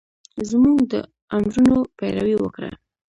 زمونږ د امرونو پېروي وکړه